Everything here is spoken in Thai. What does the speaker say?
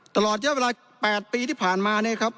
ตลอดเยอะเวลา๘ปีที่ผ่านมา